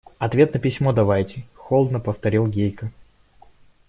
– Ответ на письмо давайте, – холодно повторил Гейка.